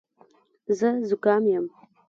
زه زکام یم.